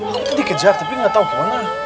gak tau dikejar tapi gak tau kemana